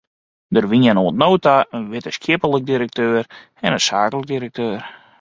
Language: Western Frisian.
Der wienen oant no ta in wittenskiplik direkteur en in saaklik direkteur.